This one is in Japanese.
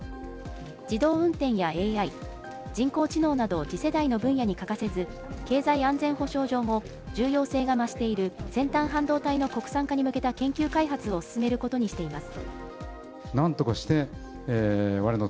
自動運転やＡＩ・人工知能など次世代の分野に欠かせず、経済安全保障上も重要性が増している先端半導体の国産化に向けた研究開発を進めることにしています。